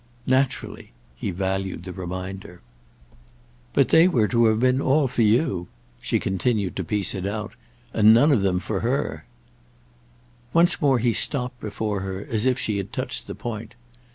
"Naturally!"—he valued the reminder. "But they were to have been all for you"—she continued to piece it out—"and none of them for her." Once more he stopped before her as if she had touched the point.